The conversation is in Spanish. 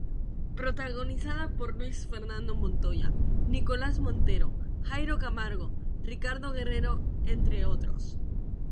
Protagonizada por "Luis Fernando Montoya, Nicolás Montero, Jairo Camargo," "Ricardo Guerrero" entre otros.